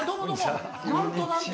なんとなんと。